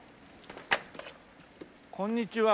こんにちは。